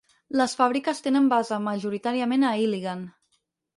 Les fàbriques tenen base majoritàriament a Iligan.